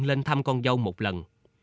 lên thăm con dâu một lần